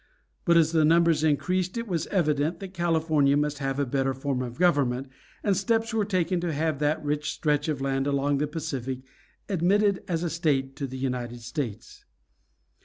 But as the numbers increased it was evident that California must have a better form of government, and steps were taken to have that rich stretch of land along the Pacific admitted as a state to the United States.